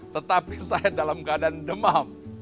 tetapi saya dalam keadaan demam